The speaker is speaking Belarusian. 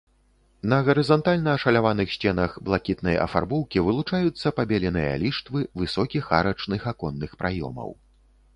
На гарызантальна ашаляваных сценах блакітнай афарбоўкі вылучаюцца пабеленыя ліштвы высокіх арачных аконных праёмаў.